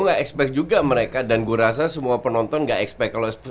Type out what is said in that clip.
nggak expect juga mereka dan gua rasa semua penonton nggak expect kalau stoke city main bagus